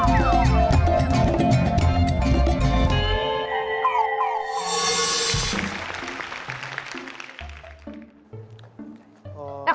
อาคอม